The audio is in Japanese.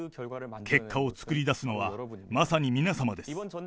結果を作り出すのは、まさに皆様です。